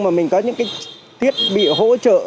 mà mình có những cái thiết bị hỗ trợ